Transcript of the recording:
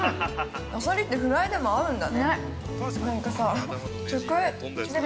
アサリってフライでも合うんだね。